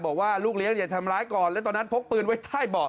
บอกว่าลูกเลี้ยงอย่าทำร้ายก่อนแล้วตอนนั้นพกปืนไว้ใต้เบาะ